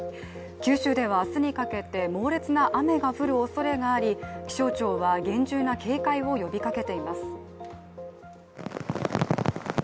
九州では明日にかけて猛烈な雨が降るおそれがあり気象庁は厳重な警戒を呼びかけています。